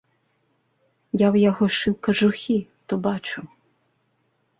Я ў яго шыў кажухі, то бачыў.